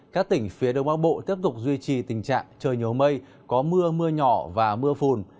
các tỉnh phía đông bắc bộ tiếp tục duy trì tình trạng trời nhiều mây có mưa mưa nhỏ và mưa phùn